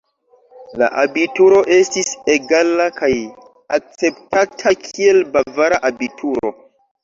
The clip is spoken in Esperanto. La abituro estis egala kaj akceptata, kiel bavara abituro.